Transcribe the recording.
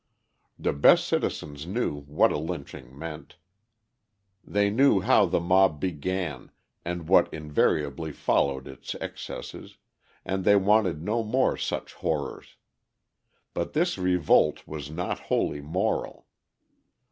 The best citizens knew what a lynching meant; they knew how the mob began, and what invariably followed its excesses, and they wanted no more such horrors. But this revolt was not wholly moral.